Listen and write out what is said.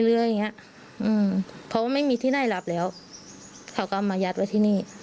เรื่อยอย่างเงี้ยอืมเพราะว่าไม่มีที่ได้รับแล้วเขาก็มายัดไว้ที่นี่